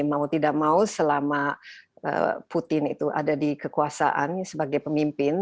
mau tidak mau selama putin itu ada di kekuasaan sebagai pemimpin